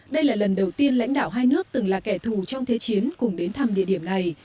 đây là lần đầu tiên lãnh đạo hai nước từng là kẻ thù trong thế chiến cùng đến thăm địa điểm này